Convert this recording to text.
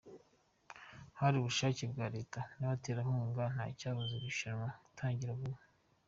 Hari ubushake bwa Leta n’abaterankunga nta cyabuza iri rushanwa gutangira vuba.